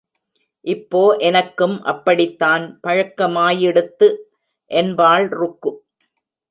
இப்போ எனக்கும் அப்படித்தான் பழக்கமாயிடுத்து என்பாள் ருக்கு.